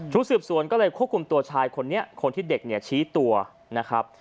สืบสวนก็เลยควบคุมตัวชายคนนี้คนที่เด็กเนี่ยชี้ตัวนะครับ